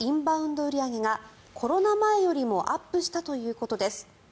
売り上げがコロナ前よりもアップしたということです。